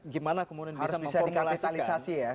gimana kemudian bisa memformulasikan